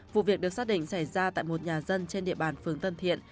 vụ việc được xác định xảy ra tại một nhà dân trên địa bàn phường tân thiện